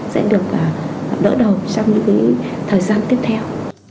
sẽ được đỡ đầu trong thời gian tiếp theo